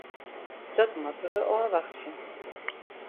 Dat moatte we ôfwachtsje.